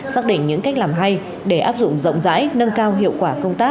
xác định những cách làm hay để áp dụng rộng rãi nâng cao hiệu quả công tác